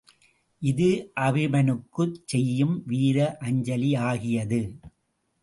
இது அபிமனுக்குச் செய்யும் வீர அஞ்சலியாகியது.